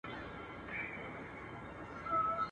له نژدې ليري ملكونو وه راغلي.